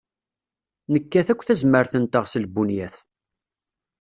Nekkat akk tazmert-nteɣ s lbunyat.